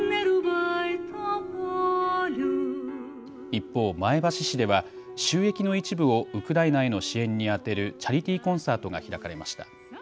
一方、前橋市では収益の一部をウクライナへの支援に充てるチャリティーコンサートが開かれました。